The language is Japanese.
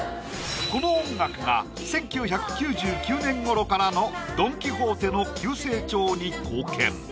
この音楽が１９９９年ごろからのドン・キホーテの急成長に貢献